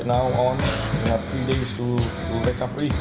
dan sekarang kita ada tiga hari untuk belajar